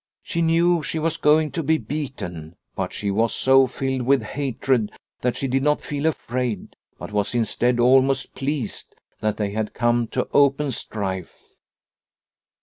She knew she was going to be beaten, but she was so filled with hatred that she did not feel afraid, but was, instead, almost pleased that they had come to open strife.